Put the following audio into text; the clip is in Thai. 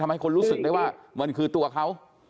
ให้คนรู้สึกได้ว่ามันคือตัวเขา